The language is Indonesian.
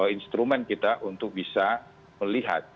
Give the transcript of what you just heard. instrumen kita untuk bisa melihat